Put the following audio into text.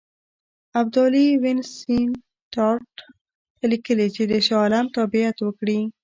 ابدالي وینسیټارټ ته لیکلي چې د شاه عالم تابعیت وکړي.